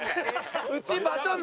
うちバトン